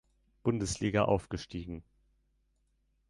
Bundesliga aufgestiegen.